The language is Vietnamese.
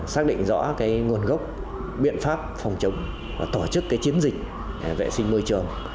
xác định rõ nguồn gốc biện pháp phòng chống và tổ chức chiến dịch vệ sinh môi trường